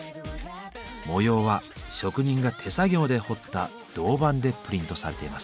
模様は職人が手作業で彫った銅版でプリントされています。